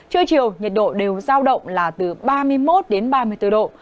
trưa chiều nhiệt độ đều giao động là từ ba mươi một đến ba mươi bốn độ